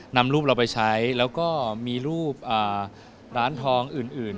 นำรูปเราไปใช้แล้วก็มีรูปร้านทองอื่น